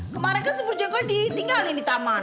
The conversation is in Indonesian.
kemaren kan semur jengkok ditinggalin di taman